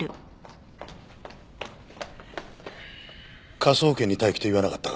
科捜研に待機と言わなかったか？